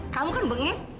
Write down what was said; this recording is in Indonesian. kamu kan bengeng